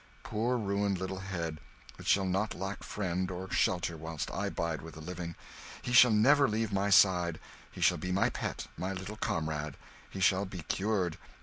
Poor ruined little head, it shall not lack friend or shelter whilst I bide with the living. He shall never leave my side; he shall be my pet, my little comrade. And he shall be cured!